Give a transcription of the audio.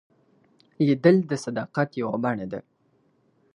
لیدل د صداقت یوه بڼه ده